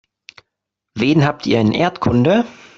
Wen habt ihr in Erdkunde?